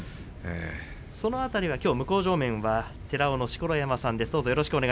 その辺りはきょう向正面は寺尾の錣山さんです。